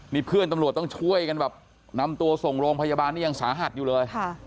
นี่เพื่อนตำรวจต้องช่วยกันแบบนำตัวส่งโรงพยาบาลนี่ยังสาหัสอยู่เลย